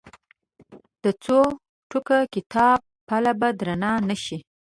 د څو ټوکه کتاب پله به درنه نه شي.